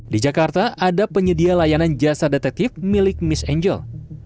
di jakarta ada penyedia layanan jasa detektif milik miss angel